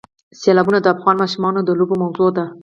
سیلابونه د افغان ماشومانو د لوبو موضوع ده.